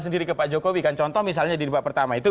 sendiri ke pak jokowi kan contoh misalnya di debat pertama itu